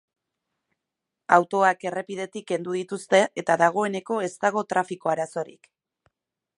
Autoak errepidetik kendu dituzte eta dagoeneko ez dago trafiko arazorik.